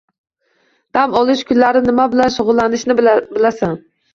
Dam olish kunlari nima bilan shugʻullanishni bilasan.